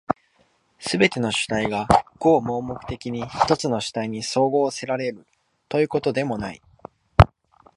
すべての主体が合目的的に一つの主体に綜合せられるということでもない。